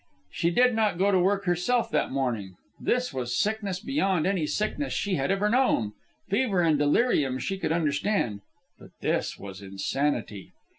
She did not go to work herself that morning. This was sickness beyond any sickness she had ever known. Fever and delirium she could understand; but this was insanity.